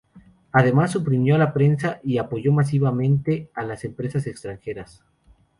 Además, suprimió la prensa y apoyó masivamente a las empresas extranjeras.